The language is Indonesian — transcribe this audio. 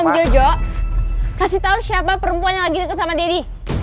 om jojo kasih tau siapa perempuan yang lagi deket sama daddy